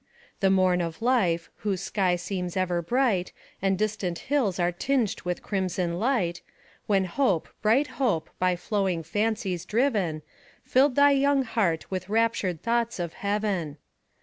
The morn of life, whose sky seems ever bright, And distant hills are tinged with crimson light, When hope, bright hope, by glowing fancies driven, FilPd thy young heart with raptured thoughts of heaven.